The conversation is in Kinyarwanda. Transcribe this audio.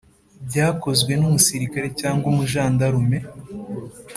byakozwe n’umusirikare cyangwa umujandarume